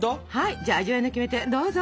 じゃあ早速味わいのキメテどうぞ！